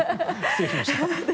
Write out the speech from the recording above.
失礼しました。